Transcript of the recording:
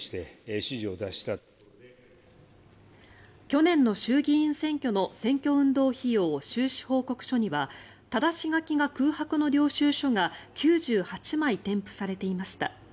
去年の衆議院選挙の選挙運動費用収支報告書にはただし書きが空白の領収書が９８枚添付されていました。